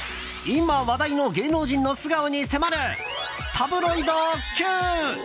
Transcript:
今、話題の芸能人の素顔に迫るタブロイドＱ！